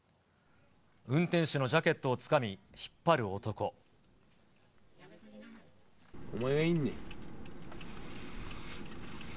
運転手のジャケットをつかみ、お前がいるねん。